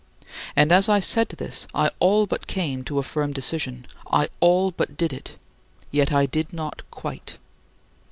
And as I said this I all but came to a firm decision. I all but did it yet I did not quite.